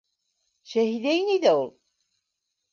Шәһиҙә инәй ҙә ул.